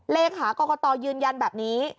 เลขากรกตยืนยันแบบนี้